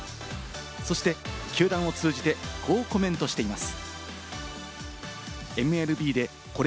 そして、球団を通じてこうコメントしています。